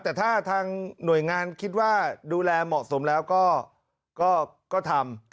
แต่ถ้าทางหน่วยงานคิดว่าดูแลเหมาะสมแล้วก็ทำ